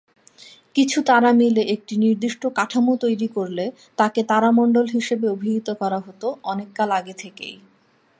কিছু তারা মিলে একটি নির্দিষ্ট কাঠামো তৈরি করলে তাকে তারামণ্ডল হিসেবে অভিহিত করা হতো অনেক কাল আগে থেকেই।